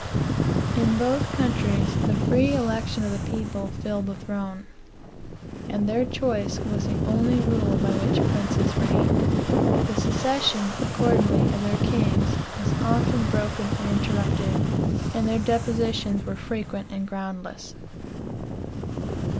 In both countries, the free election of the people filled the throne; and their choice was the only rule by which princes reigned. The succession, accordingly, of their kings was often broken and interrupted, and their depositions were frequent and groundless.